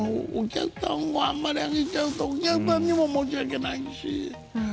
でも、あまり上げちゃうとお客さんにも申し訳ないし。